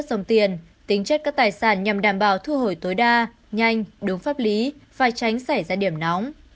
dòng tiền tính chất các tài sản nhằm đảm bảo thu hồi tối đa nhanh đúng pháp lý phải tránh xảy ra điểm nóng